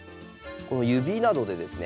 指などでですね